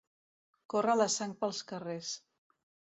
Córrer la sang pels carrers.